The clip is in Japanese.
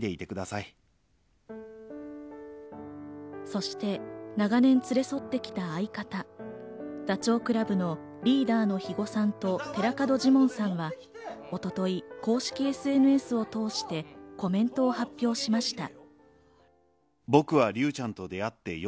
そして長年連れ添ってきた相方、ダチョウ倶楽部のリーダーの肥後さんと寺門ジモンさんが一昨日、公式ＳＮＳを通してコメントを発表しました。